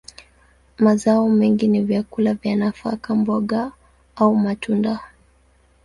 Mazao mengi ni vyakula kama nafaka, mboga, au matunda.